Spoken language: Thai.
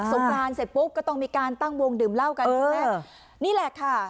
งกรานเสร็จปุ๊บก็ต้องมีการตั้งวงดื่มเหล้ากันใช่ไหมนี่แหละค่ะ